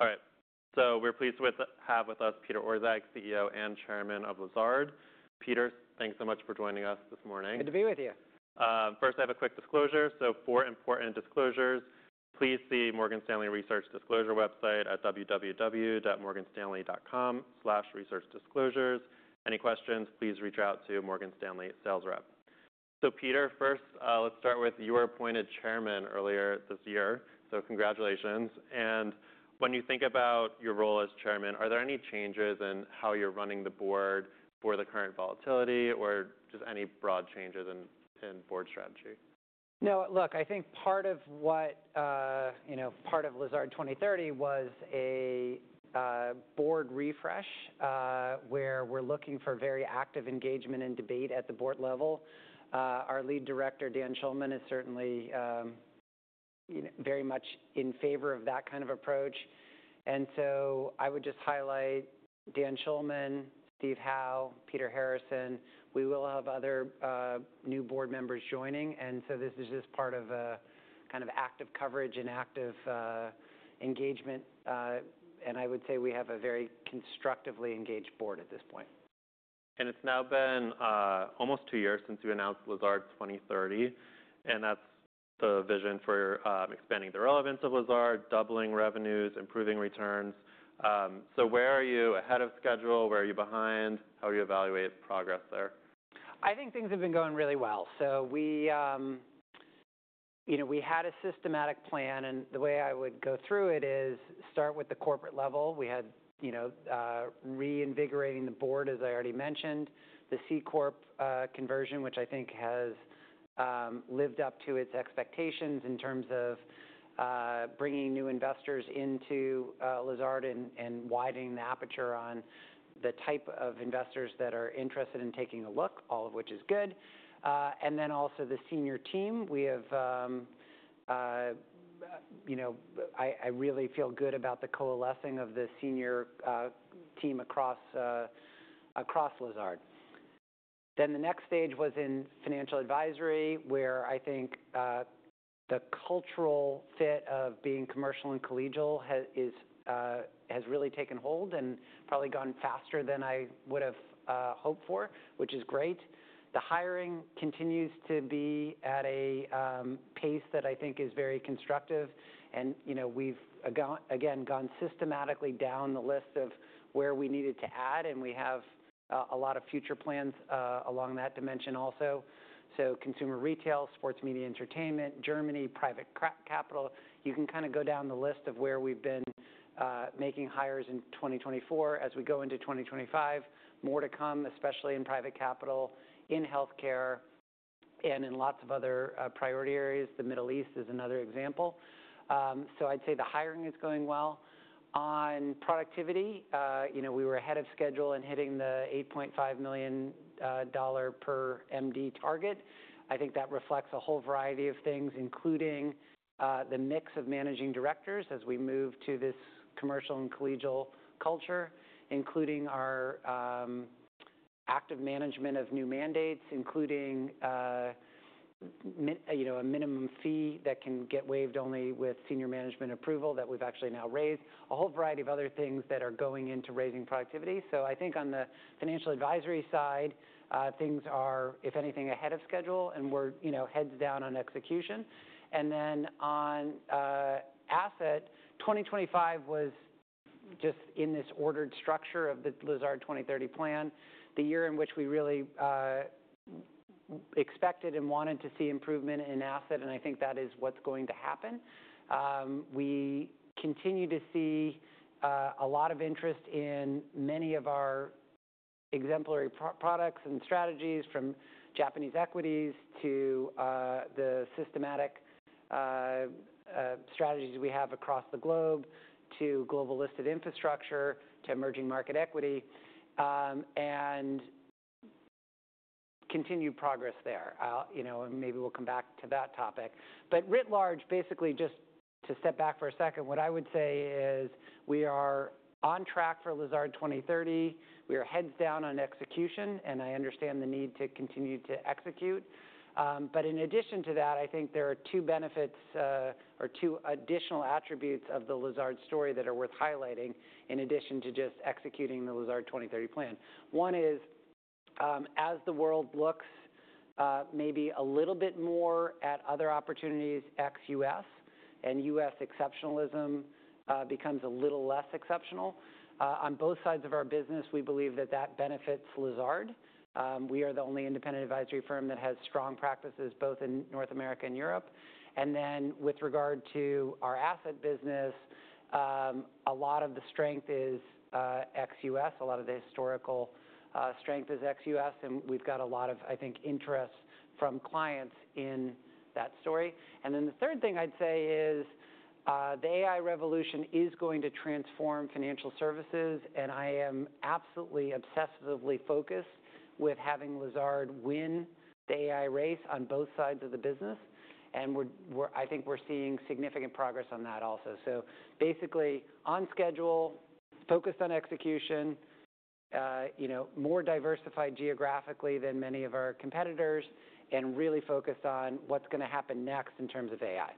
All right. So we're pleased to have with us Peter Orszag, CEO and Chairman of Lazard. Peter, thanks so much for joining us this morning. Good to be with you. First, I have a quick disclosure. For important disclosures, please see Morgan Stanley Research Disclosure website at www.morganstanley.com/researchdisclosures. Any questions, please reach out to your Morgan Stanley sales rep. Peter, first, let's start with you were appointed Chairman earlier this year. Congratulations. When you think about your role as Chairman, are there any changes in how you're running the board for the current volatility or just any broad changes in board strategy? No. Look, I think part of what part of Lazard 2030 was a board refresh where we're looking for very active engagement and debate at the board level. Our Lead Director, Dan Schulman, is certainly very much in favor of that kind of approach. I would just highlight Dan Schulman, Steve Howe, Peter Harrison. We will have other new board members joining. This is just part of a kind of active coverage and active engagement. I would say we have a very constructively engaged board at this point. It is now been almost two years since you announced Lazard 2030. That is the vision for expanding the relevance of Lazard, doubling revenues, improving returns. Where are you? Ahead of schedule? Where are you behind? How do you evaluate progress there? I think things have been going really well. We had a systematic plan. The way I would go through it is start with the corporate level. We had reinvigorating the board, as I already mentioned, the C Corp conversion, which I think has lived up to its expectations in terms of bringing new investors into Lazard and widening the aperture on the type of investors that are interested in taking a look, all of which is good. Also the senior team. I really feel good about the coalescing of the senior team across Lazard. The next stage was in financial advisory, where I think the cultural fit of being commercial and collegial has really taken hold and probably gone faster than I would have hoped for, which is great. The hiring continues to be at a pace that I think is very constructive. We have, again, gone systematically down the list of where we needed to add. We have a lot of future plans along that dimension also. Consumer retail, sports, media, entertainment, Germany, private capital. You can kind of go down the list of where we have been making hires in 2024. As we go into 2025, more to come, especially in private capital, in health care, and in lots of other priority areas. The Middle East is another example. I would say the hiring is going well. On productivity, we were ahead of schedule in hitting the $8.5 million per MD target. I think that reflects a whole variety of things, including the mix of managing directors as we move to this commercial and collegial culture, including our active management of new mandates, including a minimum fee that can get waived only with senior management approval that we have actually now raised, a whole variety of other things that are going into raising productivity. I think on the financial advisory side, things are, if anything, ahead of schedule. We are heads down on execution. On asset, 2025 was just in this ordered structure of the Lazard 2030 plan, the year in which we really expected and wanted to see improvement in asset. I think that is what is going to happen. We continue to see a lot of interest in many of our exemplary products and strategies, from Japanese equities to the systematic strategies we have across the globe, to global listed infrastructure, to emerging market equity, and continued progress there. Maybe we will come back to that topic. Writ large, basically just to step back for a second, what I would say is we are on track for Lazard 2030. We are heads down on execution. I understand the need to continue to execute. In addition to that, I think there are two benefits or two additional attributes of the Lazard story that are worth highlighting in addition to just executing the Lazard 2030 plan. One is, as the world looks maybe a little bit more at other opportunities, ex-U.S. and U.S. exceptionalism becomes a little less exceptional. On both sides of our business, we believe that benefits Lazard. We are the only independent advisory firm that has strong practices both in North America and Europe. With regard to our asset business, a lot of the strength is ex-U.S. A lot of the historical strength is ex-U.S. We have a lot of, I think, interest from clients in that story. The third thing I'd say is the AI revolution is going to transform financial services. I am absolutely obsessively focused with having Lazard win the AI race on both sides of the business. I think we are seeing significant progress on that also. Basically on schedule, focused on execution, more diversified geographically than many of our competitors, and really focused on what is going to happen next in terms of AI.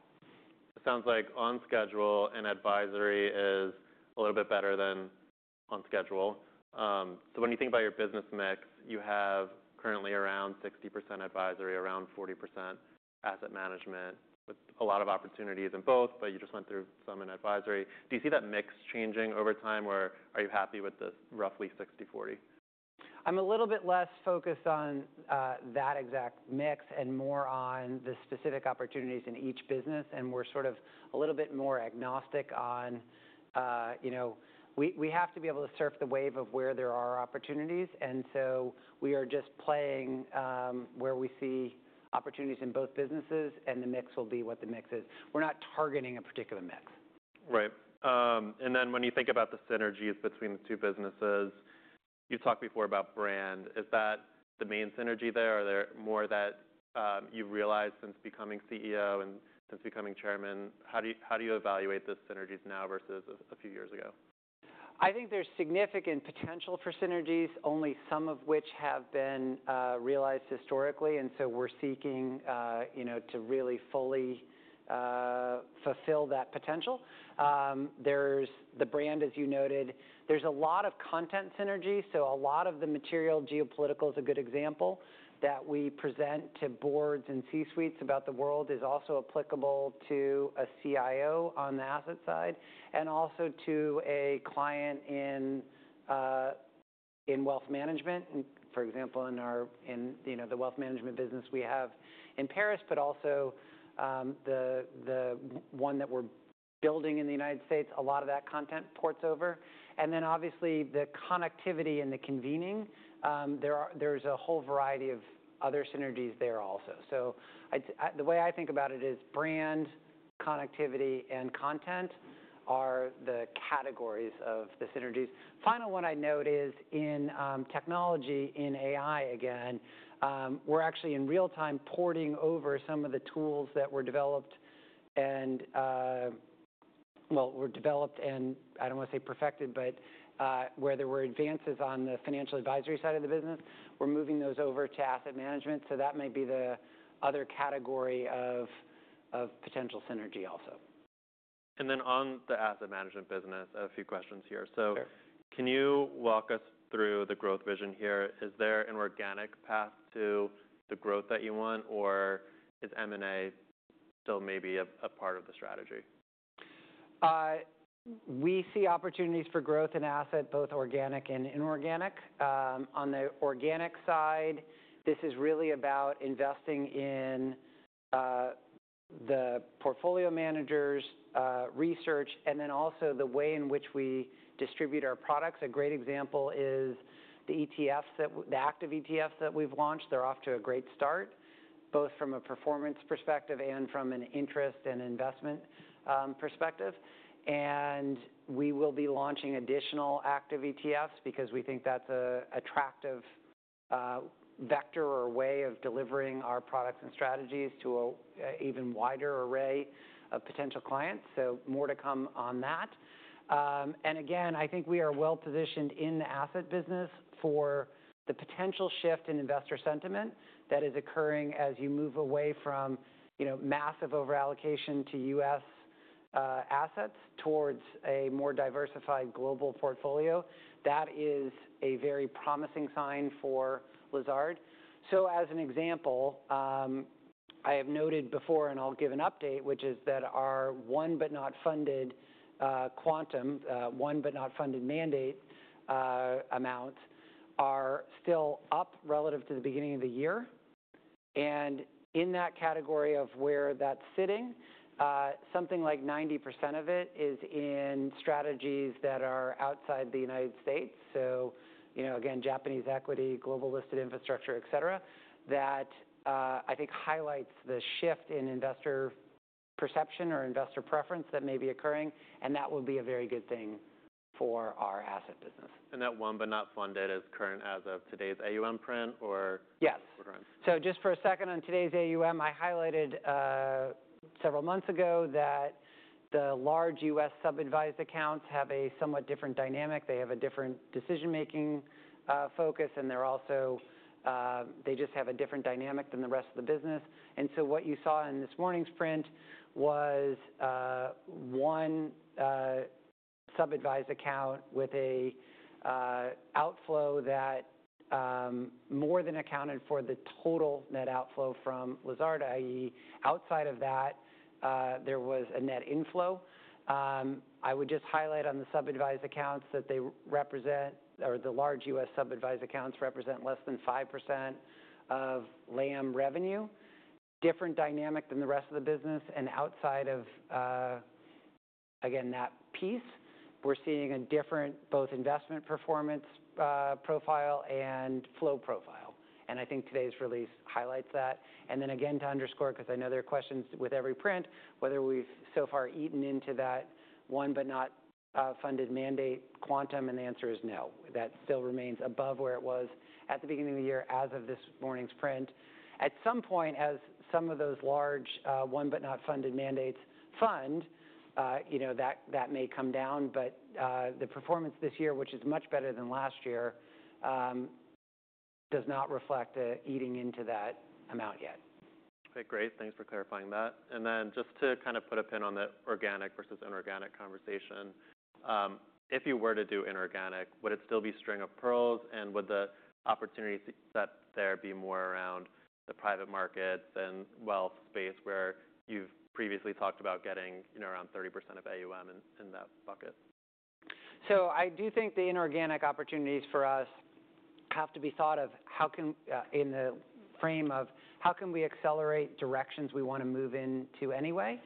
It sounds like on schedule, and advisory is a little bit better than on schedule. When you think about your business mix, you have currently around 60% advisory, around 40% asset management, with a lot of opportunities in both, but you just went through some in advisory. Do you see that mix changing over time? Are you happy with this roughly 60/40? I'm a little bit less focused on that exact mix and more on the specific opportunities in each business. We're sort of a little bit more agnostic on we have to be able to surf the wave of where there are opportunities. We are just playing where we see opportunities in both businesses. The mix will be what the mix is. We're not targeting a particular mix. Right. When you think about the synergies between the two businesses, you've talked before about brand. Is that the main synergy there? Are there more that you've realized since becoming CEO and since becoming Chairman? How do you evaluate the synergies now versus a few years ago? I think there's significant potential for synergies, only some of which have been realized historically. We are seeking to really fully fulfill that potential. There's the brand, as you noted. There's a lot of content synergy. A lot of the material, geopolitical is a good example, that we present to boards and C-suites about the world is also applicable to a CIO on the asset side and also to a client in wealth management. For example, in the wealth management business we have in Paris, but also the one that we're building in the United States, a lot of that content ports over. Obviously, the connectivity and the convening. There's a whole variety of other synergies there also. The way I think about it is brand, connectivity, and content are the categories of the synergies. Final one I note is in technology, in AI again, we're actually in real time porting over some of the tools that were developed, and, well, were developed, and I don't want to say perfected, but where there were advances on the financial advisory side of the business, we're moving those over to asset management. That may be the other category of potential synergy also. On the asset management business, a few questions here. Can you walk us through the growth vision here? Is there an organic path to the growth that you want? Or is M&A still maybe a part of the strategy? We see opportunities for growth in asset, both organic and inorganic. On the organic side, this is really about investing in the portfolio managers' research and then also the way in which we distribute our products. A great example is the active ETFs that we've launched. They're off to a great start, both from a performance perspective and from an interest and investment perspective. We will be launching additional active ETFs because we think that's an attractive vector or way of delivering our products and strategies to an even wider array of potential clients. More to come on that. I think we are well positioned in the asset business for the potential shift in investor sentiment that is occurring as you move away from massive overallocation to U.S. assets towards a more diversified global portfolio. That is a very promising sign for Lazard. As an example, I have noted before, and I'll give an update, which is that our one but not funded quantum, one but not funded mandate amounts are still up relative to the beginning of the year. In that category of where that's sitting, something like 90% of it is in strategies that are outside the U.S. Japanese equity, global listed infrastructure, et cetera, that I think highlights the shift in investor perception or investor preference that may be occurring. That will be a very good thing for our asset business. That one but not funded is current as of today's AUM print or? Yes. Just for a second on today's AUM, I highlighted several months ago that the large U.S. sub-advised accounts have a somewhat different dynamic. They have a different decision-making focus. They just have a different dynamic than the rest of the business. What you saw in this morning's print was one sub-advised account with an outflow that more than accounted for the total net outflow from Lazard. I.e., outside of that, there was a net inflow. I would just highlight on the sub-advised accounts that they represent, or the large U.S. sub-advised accounts represent less than 5% of LAM revenue, different dynamic than the rest of the business. Outside of, again, that piece, we're seeing a different both investment performance profile and flow profile. I think today's release highlights that. To underscore, because I know there are questions with every print, whether we've so far eaten into that one but not funded mandate quantum. The answer is no. That still remains above where it was at the beginning of the year as of this morning's print. At some point, as some of those large one but not funded mandates fund, that may come down. The performance this year, which is much better than last year, does not reflect eating into that amount yet. OK, great. Thanks for clarifying that. Just to kind of put a pin on the organic versus inorganic conversation, if you were to do inorganic, would it still be string of pearls? Would the opportunities there be more around the private markets and wealth space where you've previously talked about getting around 30% of AUM in that bucket? I do think the inorganic opportunities for us have to be thought of in the frame of how can we accelerate directions we want to move into anyway.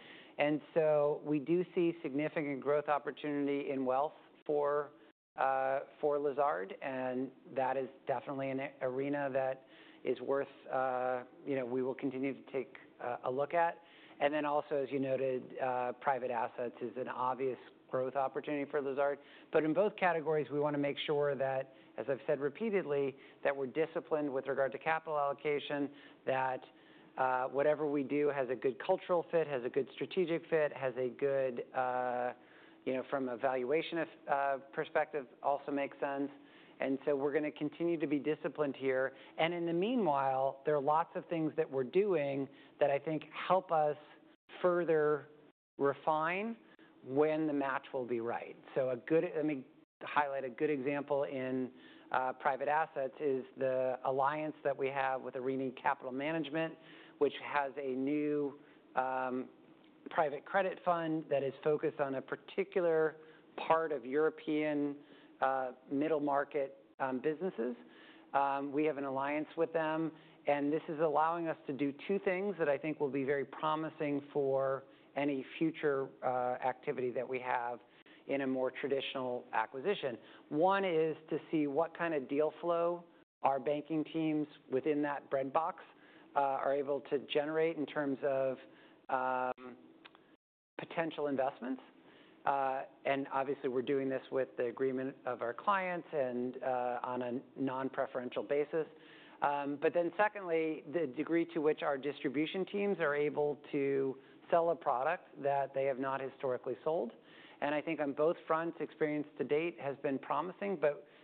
We do see significant growth opportunity in wealth for Lazard. That is definitely an arena that is worth we will continue to take a look at. Also, as you noted, private assets is an obvious growth opportunity for Lazard. In both categories, we want to make sure that, as I've said repeatedly, we're disciplined with regard to capital allocation, that whatever we do has a good cultural fit, has a good strategic fit, has a good, from a valuation perspective, also makes sense. We're going to continue to be disciplined here. In the meanwhile, there are lots of things that we're doing that I think help us further refine when the match will be right. I mean, highlight a good example in private assets is the alliance that we have with Arini Capital Management, which has a new private credit fund that is focused on a particular part of European middle market businesses. We have an alliance with them. This is allowing us to do two things that I think will be very promising for any future activity that we have in a more traditional acquisition. One is to see what kind of deal flow our banking teams within that breadbox are able to generate in terms of potential investments. Obviously, we're doing this with the agreement of our clients and on a non-preferential basis. The degree to which our distribution teams are able to sell a product that they have not historically sold is important. I think on both fronts, experience to date has been promising.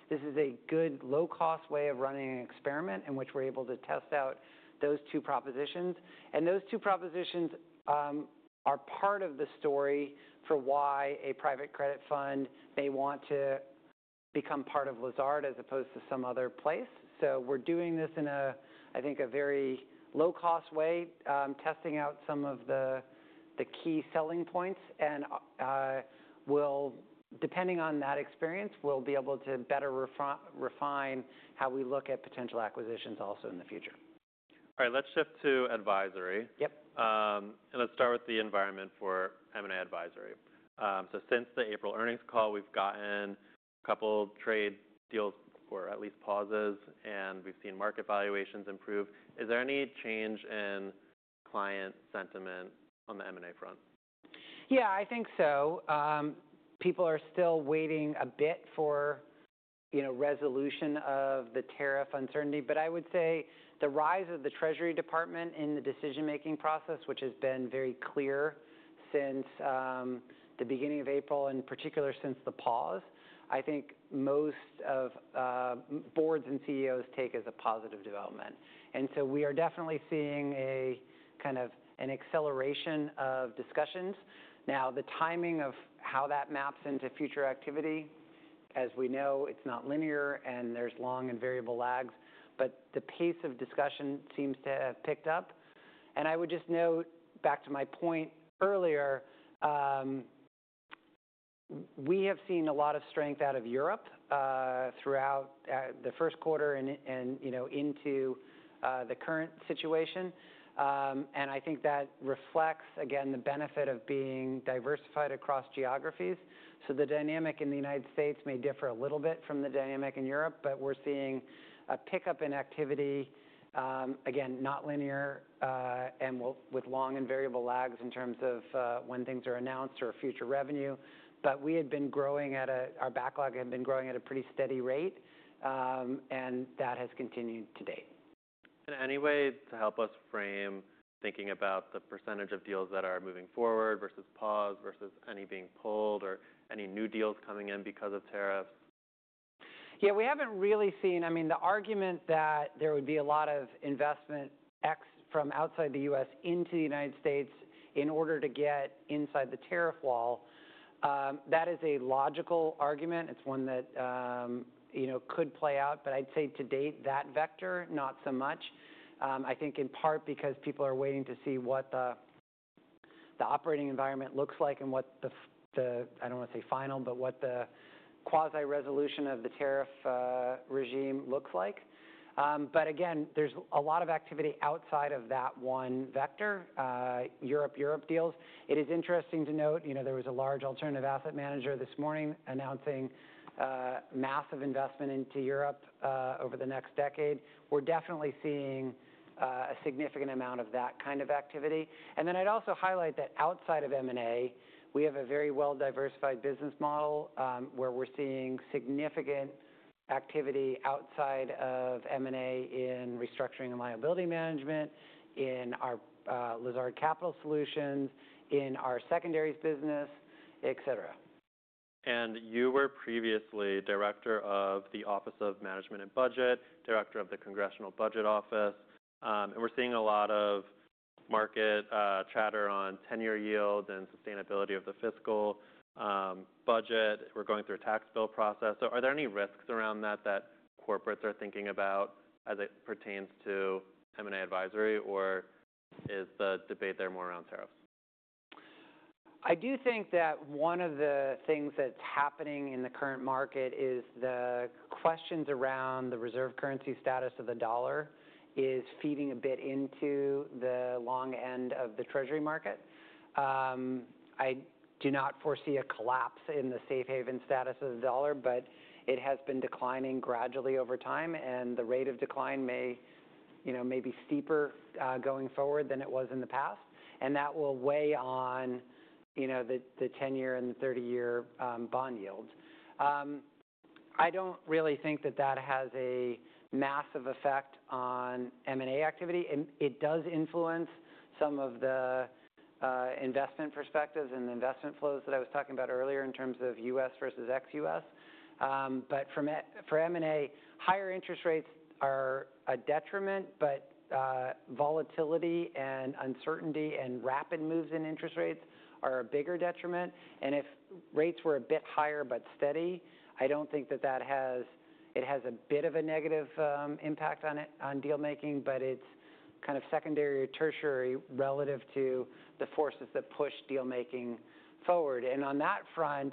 This is a good low-cost way of running an experiment in which we're able to test out those two propositions. Those two propositions are part of the story for why a private credit fund may want to become part of Lazard as opposed to some other place. We are doing this in, I think, a very low-cost way, testing out some of the key selling points. Depending on that experience, we'll be able to better refine how we look at potential acquisitions also in the future. All right, let's shift to advisory. Yep. Let's start with the environment for M&A advisory. Since the April earnings call, we've gotten a couple trade deals or at least pauses, and we've seen market valuations improve. Is there any change in client sentiment on the M&A front? Yeah, I think so. People are still waiting a bit for resolution of the tariff uncertainty. I would say the rise of the Treasury Department in the decision-making process, which has been very clear since the beginning of April, in particular since the pause, I think most boards and CEOs take as a positive development. We are definitely seeing kind of an acceleration of discussions. Now, the timing of how that maps into future activity, as we know, it's not linear. There are long and variable lags. The pace of discussion seems to have picked up. I would just note, back to my point earlier, we have seen a lot of strength out of Europe throughout the first quarter and into the current situation. I think that reflects, again, the benefit of being diversified across geographies. The dynamic in the United States may differ a little bit from the dynamic in Europe. We're seeing a pickup in activity, again, not linear and with long and variable lags in terms of when things are announced or future revenue. We had been growing at a, our backlog had been growing at a pretty steady rate. That has continued to date. there any way to help us frame thinking about the percentage of deals that are moving forward versus pause versus any being pulled or any new deals coming in because of tariffs? Yeah, we haven't really seen, I mean, the argument that there would be a lot of investment X from outside the U.S. into the United States in order to get inside the tariff wall, that is a logical argument. It's one that could play out. I'd say to date, that vector, not so much. I think in part because people are waiting to see what the operating environment looks like and what the, I don't want to say final, but what the quasi-resolution of the tariff regime looks like. Again, there's a lot of activity outside of that one vector, Europe-Europe deals. It is interesting to note, there was a large alternative asset manager this morning announcing massive investment into Europe over the next decade. We're definitely seeing a significant amount of that kind of activity. I would also highlight that outside of M&A, we have a very well-diversified business model where we're seeing significant activity outside of M&A in restructuring and liability management, in our Lazard Capital Solutions, in our secondaries business, et cetera. You were previously Director of the Office of Management and Budget, Director of the Congressional Budget Office. We are seeing a lot of market chatter on tenure yields and sustainability of the fiscal budget. We are going through a tax bill process. Are there any risks around that that corporates are thinking about as it pertains to M&A advisory? Is the debate there more around tariffs? I do think that one of the things that's happening in the current market is the questions around the reserve currency status of the dollar is feeding a bit into the long end of the Treasury market. I do not foresee a collapse in the safe haven status of the dollar. It has been declining gradually over time. The rate of decline may be steeper going forward than it was in the past. That will weigh on the 10-year and the 30-year bond yields. I don't really think that that has a massive effect on M&A activity. It does influence some of the investment perspectives and the investment flows that I was talking about earlier in terms of U.S. versus ex-U.S. For M&A, higher interest rates are a detriment. Volatility and uncertainty and rapid moves in interest rates are a bigger detriment. If rates were a bit higher but steady, I do not think that it has a bit of a negative impact on dealmaking. It is kind of secondary or tertiary relative to the forces that push dealmaking forward. On that front,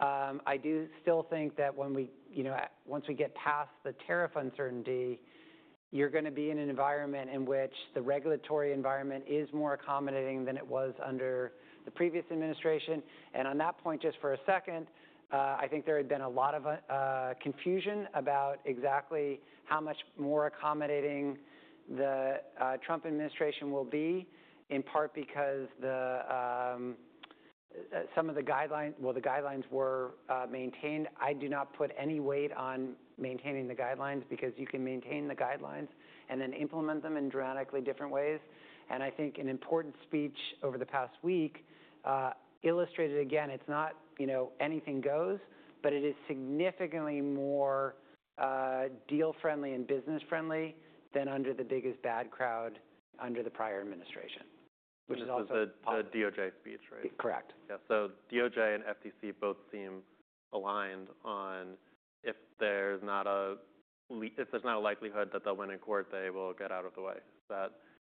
I do still think that once we get past the tariff uncertainty, you are going to be in an environment in which the regulatory environment is more accommodating than it was under the previous administration. On that point, just for a second, I think there had been a lot of confusion about exactly how much more accommodating the Trump administration will be, in part because some of the guidelines were maintained. I do not put any weight on maintaining the guidelines because you can maintain the guidelines and then implement them in dramatically different ways. I think an important speech over the past week illustrated, again, it's not anything goes. It is significantly more deal-friendly and business-friendly than under the biggest bad crowd under the prior administration, which is also. This is the DOJ speech, right? Correct. Yeah, so DOJ and FTC both seem aligned on if there's not a likelihood that they'll win in court, they will get out of the way.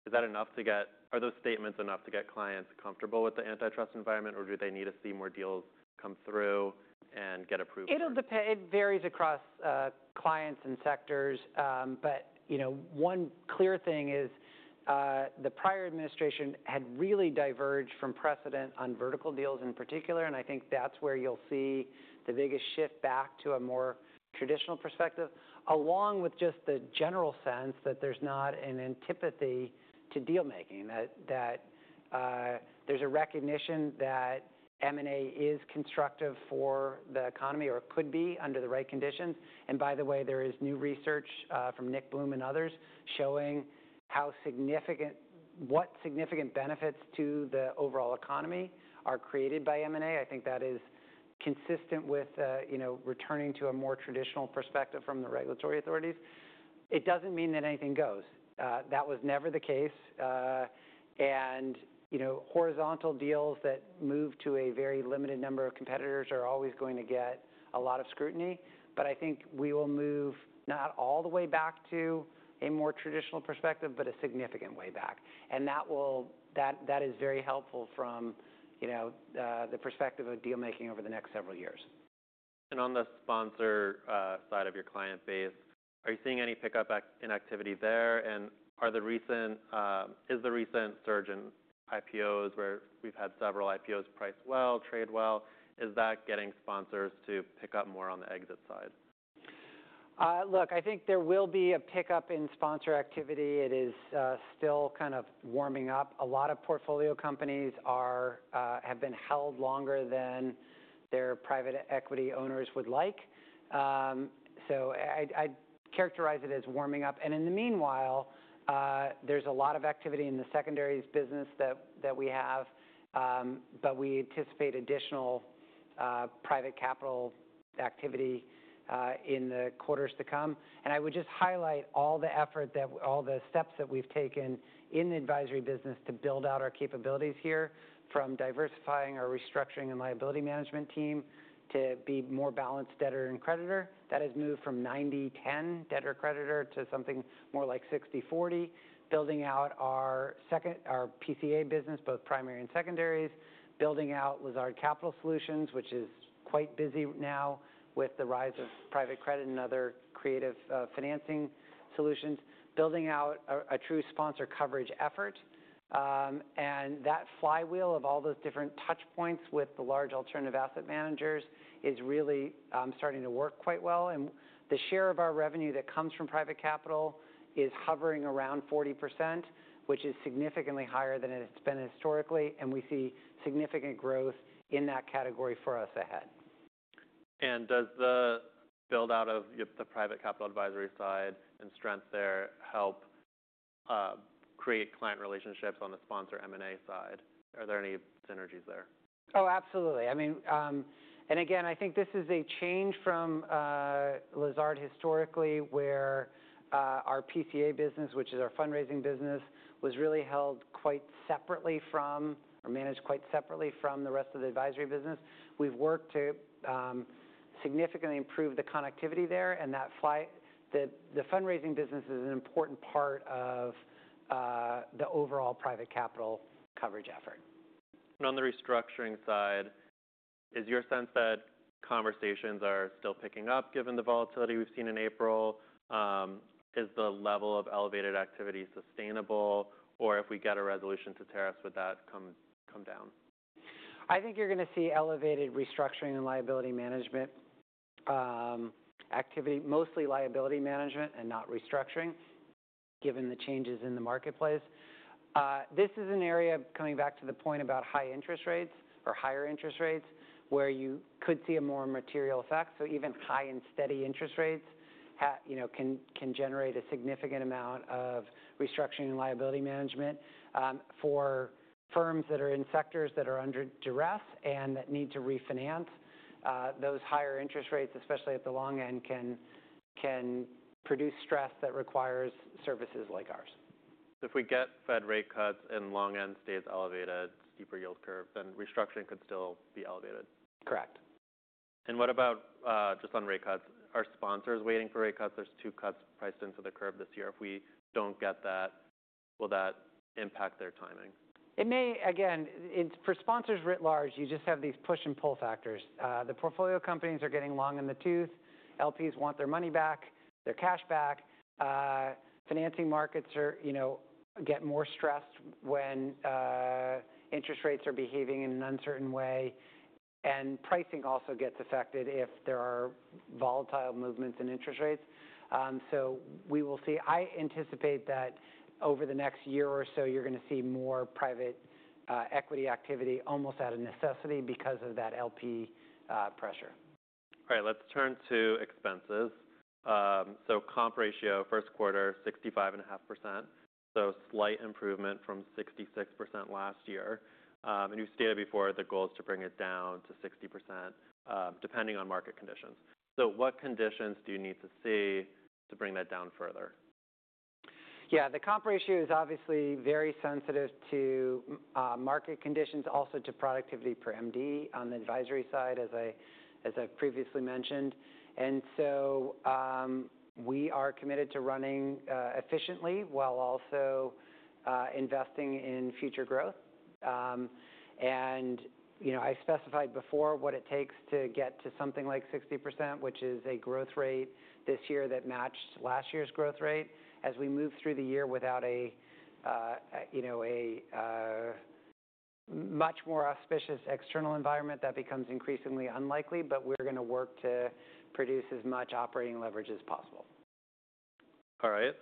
Is that enough to get, are those statements enough to get clients comfortable with the antitrust environment? Or do they need to see more deals come through and get approved? It varies across clients and sectors. One clear thing is the prior administration had really diverged from precedent on vertical deals in particular. I think that's where you'll see the biggest shift back to a more traditional perspective, along with just the general sense that there's not an antipathy to dealmaking, that there's a recognition that M&A is constructive for the economy or could be under the right conditions. By the way, there is new research from Nick Bloom and others showing what significant benefits to the overall economy are created by M&A. I think that is consistent with returning to a more traditional perspective from the regulatory authorities. It doesn't mean that anything goes. That was never the case. Horizontal deals that move to a very limited number of competitors are always going to get a lot of scrutiny. I think we will move not all the way back to a more traditional perspective, but a significant way back. That is very helpful from the perspective of dealmaking over the next several years. On the sponsor side of your client base, are you seeing any pickup in activity there? Is the recent surge in IPOs, where we've had several IPOs priced well, trade well, getting sponsors to pick up more on the exit side? Look, I think there will be a pickup in sponsor activity. It is still kind of warming up. A lot of portfolio companies have been held longer than their private equity owners would like. I would characterize it as warming up. In the meanwhile, there is a lot of activity in the secondaries business that we have. We anticipate additional private capital activity in the quarters to come. I would just highlight all the effort, all the steps that we have taken in the advisory business to build out our capabilities here, from diversifying our restructuring and liability management team to be more balanced debtor and creditor. That has moved from 90/10 debtor-creditor to something more like 60/40, building out our PCA business, both primary and secondaries, building out Lazard Capital Solutions, which is quite busy now with the rise of private credit and other creative financing solutions, building out a true sponsor coverage effort. That flywheel of all those different touchpoints with the large alternative asset managers is really starting to work quite well. The share of our revenue that comes from private capital is hovering around 40%, which is significantly higher than it's been historically. We see significant growth in that category for us ahead. Does the build-out of the private capital advisory side and strength there help create client relationships on the sponsor M&A side? Are there any synergies there? Oh, absolutely. I mean, and again, I think this is a change from Lazard historically, where our PCA business, which is our fundraising business, was really held quite separately from or managed quite separately from the rest of the advisory business. We've worked to significantly improve the connectivity there. The fundraising business is an important part of the overall private capital coverage effort. On the restructuring side, is your sense that conversations are still picking up given the volatility we've seen in April? Is the level of elevated activity sustainable? If we get a resolution to tariffs, would that come down? I think you're going to see elevated restructuring and liability management activity, mostly liability management and not restructuring, given the changes in the marketplace. This is an area, coming back to the point about high interest rates or higher interest rates, where you could see a more material effect. Even high and steady interest rates can generate a significant amount of restructuring and liability management for firms that are in sectors that are under duress and that need to refinance. Those higher interest rates, especially at the long end, can produce stress that requires services like ours. If we get Fed rate cuts and long end stays elevated, steeper yield curve, then restructuring could still be elevated? Correct. What about just on rate cuts? Are sponsors waiting for rate cuts? There are two cuts priced into the curve this year. If we do not get that, will that impact their timing? It may. Again, for sponsors writ large, you just have these push and pull factors. The portfolio companies are getting long in the tooth. LPs want their money back, their cash back. Financing markets get more stressed when interest rates are behaving in an uncertain way. Pricing also gets affected if there are volatile movements in interest rates. We will see. I anticipate that over the next year or so, you're going to see more private equity activity almost out of necessity because of that LP pressure. All right, let's turn to expenses. Comp ratio, first quarter, 65.5%. Slight improvement from 66% last year. You stated before the goal is to bring it down to 60%, depending on market conditions. What conditions do you need to see to bring that down further? Yeah, the comp ratio is obviously very sensitive to market conditions, also to productivity per MD on the advisory side, as I previously mentioned. We are committed to running efficiently while also investing in future growth. I specified before what it takes to get to something like 60%, which is a growth rate this year that matched last year's growth rate. As we move through the year without a much more auspicious external environment, that becomes increasingly unlikely. We are going to work to produce as much operating leverage as possible. All right.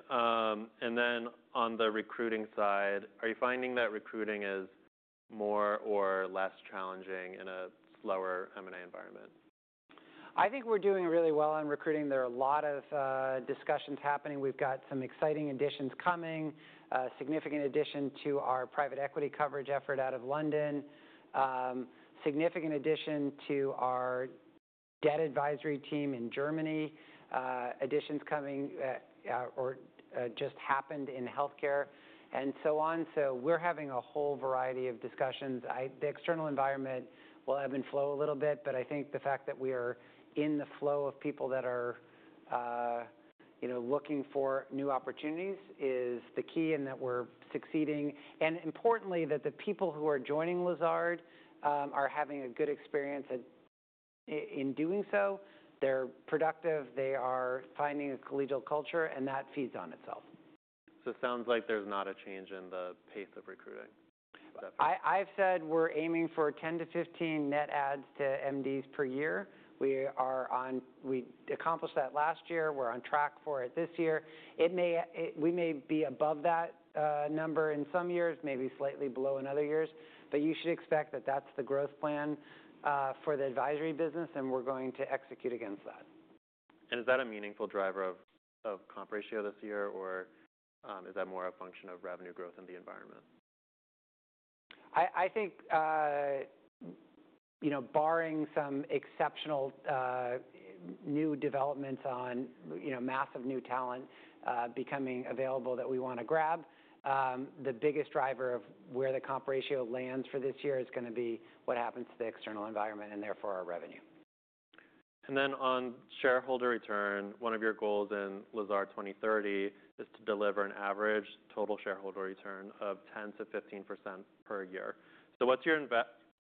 On the recruiting side, are you finding that recruiting is more or less challenging in a slower M&A environment? I think we're doing really well on recruiting. There are a lot of discussions happening. We've got some exciting additions coming, a significant addition to our private equity coverage effort out of London, a significant addition to our debt advisory team in Germany, additions coming or just happened in health care, and so on. We're having a whole variety of discussions. The external environment will ebb and flow a little bit. I think the fact that we are in the flow of people that are looking for new opportunities is the key in that we're succeeding. Importantly, the people who are joining Lazard are having a good experience in doing so. They're productive. They are finding a collegial culture. That feeds on itself. It sounds like there's not a change in the pace of recruiting. I've said we're aiming for 10-15 net adds to MDs per year. We accomplished that last year. We're on track for it this year. We may be above that number in some years, maybe slightly below in other years. You should expect that that's the growth plan for the advisory business. We're going to execute against that. Is that a meaningful driver of comp ratio this year? Or is that more a function of revenue growth in the environment? I think barring some exceptional new developments on massive new talent becoming available that we want to grab, the biggest driver of where the comp ratio lands for this year is going to be what happens to the external environment and therefore our revenue. On shareholder return, one of your goals in Lazard 2030 is to deliver an average total shareholder return of 10%-15% per year.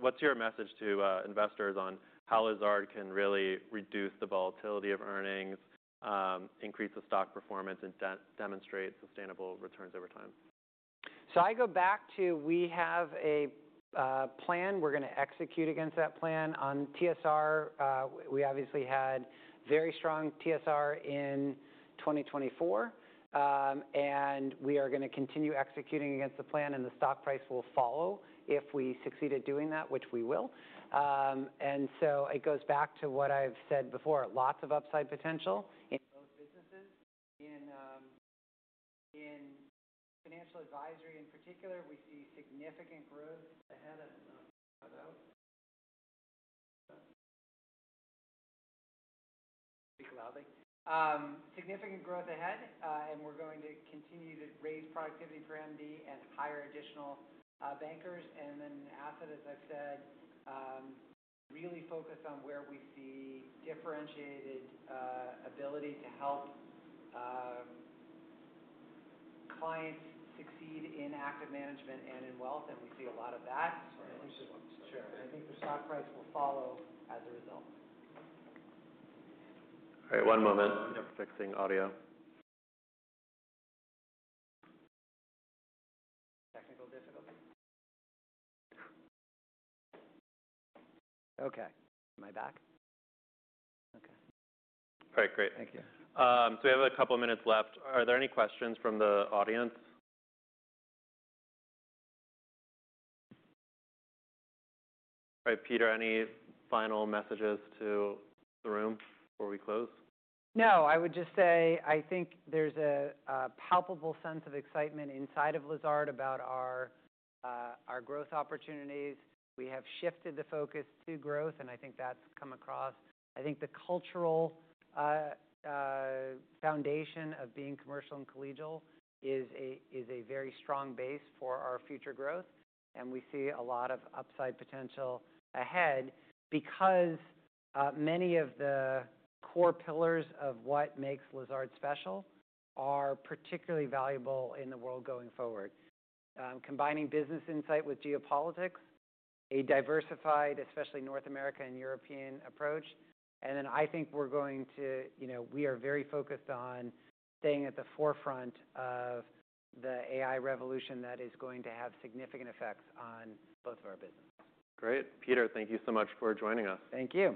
What's your message to investors on how Lazard can really reduce the volatility of earnings, increase the stock performance, and demonstrate sustainable returns over time? I go back to we have a plan. We are going to execute against that plan. On TSR, we obviously had very strong TSR in 2024. We are going to continue executing against the plan. The stock price will follow if we succeed at doing that, which we will. It goes back to what I have said before, lots of upside potential in both businesses. In financial advisory in particular, we see significant growth ahead of. Be loud. Significant growth ahead. We are going to continue to raise productivity per MD and hire additional bankers. Asset, as I've said, really focus on where we see differentiated ability to help clients succeed in active management and in wealth. We see a lot of that. I think the stock price will follow as a result. All right, one moment. Fixing audio. Technical difficulty. OK, am I back? OK. All right, great. Thank you. We have a couple of minutes left. Are there any questions from the audience? All right, Peter, any final messages to the room before we close? No, I would just say I think there's a palpable sense of excitement inside of Lazard about our growth opportunities. We have shifted the focus to growth. I think that's come across. I think the cultural foundation of being commercial and collegial is a very strong base for our future growth. We see a lot of upside potential ahead because many of the core pillars of what makes Lazard special are particularly valuable in the world going forward, combining business insight with geopolitics, a diversified, especially North America and European approach. I think we are very focused on staying at the forefront of the AI revolution that is going to have significant effects on both of our businesses. Great. Peter, thank you so much for joining us. Thank you.